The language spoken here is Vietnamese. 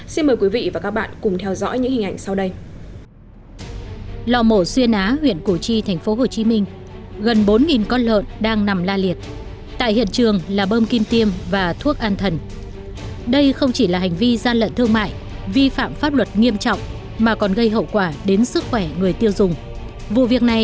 xin mời quý vị và các bạn cùng theo dõi những hình ảnh sau đây